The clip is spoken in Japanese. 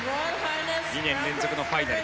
２年連続のファイナル。